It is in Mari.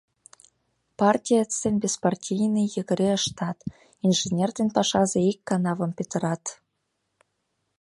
Партиец ден беспартийный йыгыре ыштат, инженер ден пашазе ик канавым петырат.